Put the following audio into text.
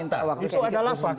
itu adalah fakta